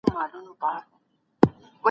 سخت سانسور ډېر ارزښتمن کتابونه له منځه وړي دي.